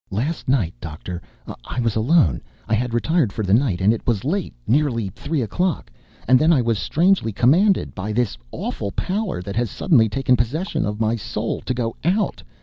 "Last night, Doctor, I was alone. I had retired for the night, and it was late, nearly three o'clock. And then I was strangely commanded, by this awful power that has suddenly taken possession, of my soul, to go out.